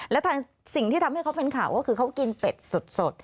และสิ่งที่ทำให้เขาเป็นข่าวก็คือเขากินเป็ดสด